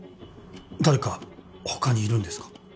誰か他にいるんですか？